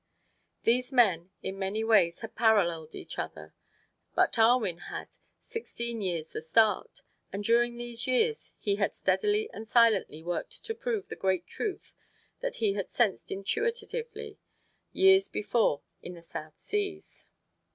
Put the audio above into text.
These men in many ways had paralleled each other; but Darwin had sixteen years the start, and during these years he had steadily and silently worked to prove the great truth that he had sensed intuitively years before in the South Seas.